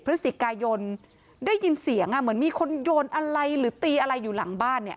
พฤศจิกายนได้ยินเสียงเหมือนมีคนโยนอะไรหรือตีอะไรอยู่หลังบ้านเนี่ย